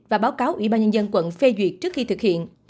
và báo cáo ubnd quận phê duyệt trước khi thực hiện